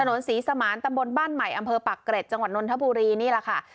ถนนศรีสมานตำบลบ้านใหม่อำเภอปักเกร็ดจังหวัดนนทบุรีนี่แหละค่ะ